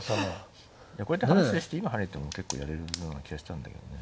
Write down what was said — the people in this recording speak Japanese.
これで反省して今跳ねても結構やれるような気がしちゃうんだけどね。